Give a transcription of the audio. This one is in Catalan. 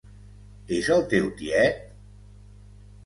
És el teu tiet?